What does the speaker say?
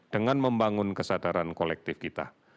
dengan membangun kesadaran kolektif kita